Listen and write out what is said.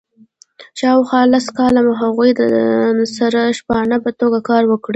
شاوخوا لس کاله هغوی سره د شپانه په توګه کار وکړي.